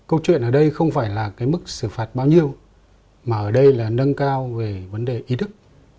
câu chuyện ở đây không phải là cái mức xử phạt bao nhiêu mà ở đây là nâng cao về vấn đề ý thức